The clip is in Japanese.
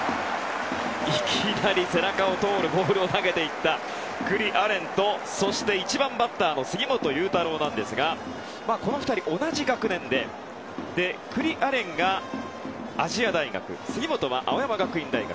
いきなり背中を通るボールを投げていった九里亜蓮とそして１番バッターの杉本裕太郎ですがこの２人、同じ学年で九里亜蓮が亜細亜大学杉本は青山学院大学。